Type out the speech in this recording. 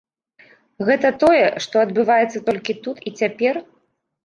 Гэта тое, што адбываецца толькі тут і цяпер?